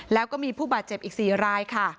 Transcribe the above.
แล้วก็มีผู้บาดเจ็บอีก๔รายค่ะ